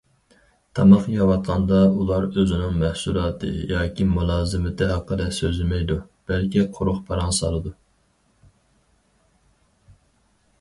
تاماق يەۋاتقاندا، ئۇلار ئۆزىنىڭ مەھسۇلاتى ياكى مۇلازىمىتى ھەققىدە سۆزلىمەيدۇ، بەلكى قۇرۇق پاراڭ سالىدۇ.